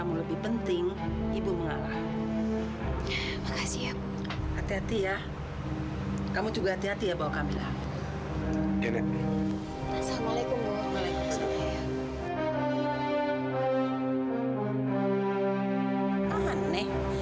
boleh gak bohongan